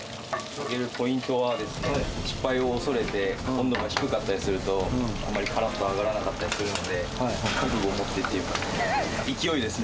揚げるポイントはですね、失敗を恐れて、この温度が低かったりすると、あんまりからっと揚がらなかったりするので、覚悟を持ってっていう感じで、勢いですね。